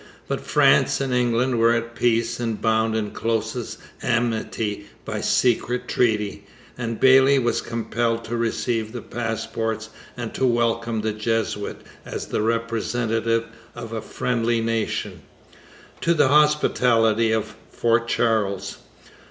But France and England were at peace and bound in closest amity by secret treaty, and Bayly was compelled to receive the passports and to welcome the Jesuit, as the representative of a friendly nation, to the hospitality of Fort Charles.